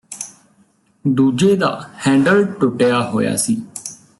ਦੂਜੇ ਦਾ ਹੈਂਡਲ ਟੁੱਟਿਆ ਹੋਇਆ ਸੀ